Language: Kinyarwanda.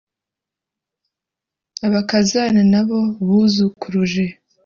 abakazana N’abo buzukuruje!